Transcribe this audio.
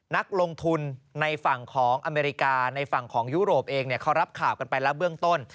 นักลงทุนในฝั่งของอเมริกาในฝั่งของยุโรปเองเขารับข่าวกันไปแล้วเบื้องต้น